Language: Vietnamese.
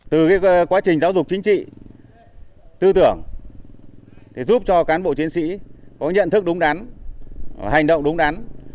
từ quá trình giáo dục chính trị tư tưởng giúp cho cán bộ chiến sĩ có nhận thức đúng đắn hành động đúng đắn